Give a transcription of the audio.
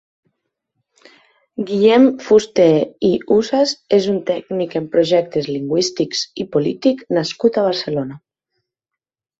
Guillem Fuster i Usas és un tècnic en projectes lingüístics i polític nascut a Barcelona.